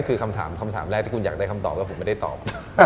คือคำถามคำถามแรกที่คุณอยากได้คำตอบแล้วผมไม่ได้ตอบ